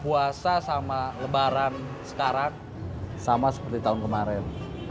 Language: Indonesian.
puasa sama lebaran sekarang sama seperti tahun kemarin